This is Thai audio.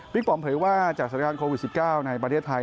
ปอมเผยว่าจากสถานการณ์โควิด๑๙ในประเทศไทย